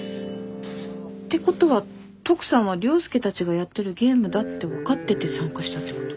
ってことはトクさんは涼介たちがやってるゲームだって分かってて参加したってこと？